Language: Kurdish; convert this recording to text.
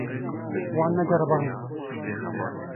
Wan neceriband.